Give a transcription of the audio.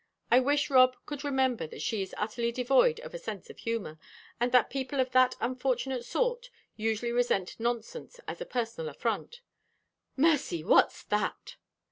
I wish Rob could remember that she is utterly devoid of a sense of humor, and that people of that unfortunate sort usually resent nonsense as a personal affront. Mercy! What's that?"